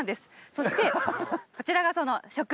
そしてこちらがその食材です。